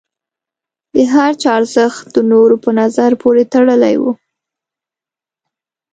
د هر چا ارزښت د نورو په نظر پورې تړلی و.